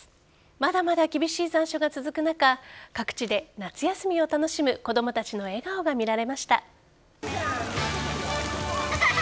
まだまだ厳しい残暑が続く中各地で夏休みを楽しむ子供たちの笑顔が見られました。